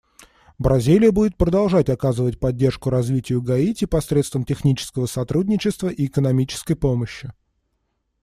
Бразилия будет продолжать оказывать поддержку развитию Гаити посредством технического сотрудничества и экономической помощи.